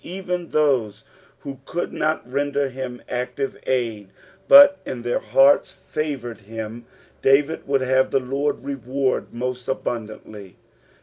Even those who could not render him active aid, but in their hearts favoured him, David would have the Lord reward most abundantly.